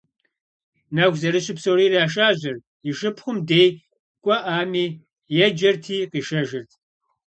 Нэху зэрыщу псори иришажьэрт, и шыпхъум дей кӀуэӀами, еджэрти къишэжырт.